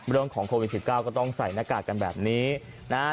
เรื่องของโควิด๑๙ก็ต้องใส่หน้ากากกันแบบนี้นะฮะ